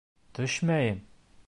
Төшмәйем!